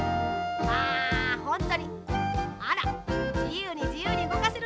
あほんとにあらじゆうにじゆうにうごかせるんですね。